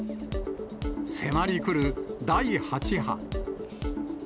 迫りくる第８波。